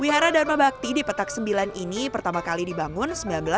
wihara dharma bakti di petak sembilan ini pertama kali dibangun seribu sembilan ratus delapan puluh